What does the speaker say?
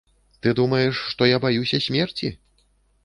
Ты думаеш, што я баюся смерці?